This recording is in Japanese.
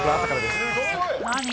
すごい！